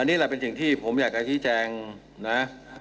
อันนี้แหละเป็นสิ่งที่ผมอยากให้ที่แจงนะ